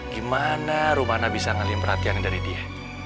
gimana rumana bisa ngalim perhatian dari dia